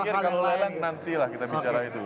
saya pikir kalau lelang nanti lah kita bicara itu